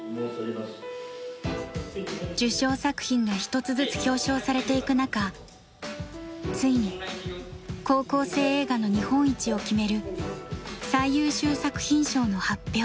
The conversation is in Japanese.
受賞作品が一つずつ表彰されていくなかついに高校生映画の日本一を決める最優秀作品賞の発表。